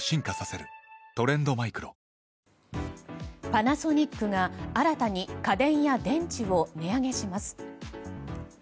パナソニックが新たに家電や電池を値上げします。